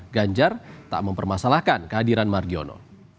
ganjar tak mempermasalahkan kehadiran margiono